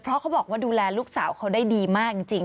เพราะเขาบอกว่าดูแลลูกสาวเขาได้ดีมากจริง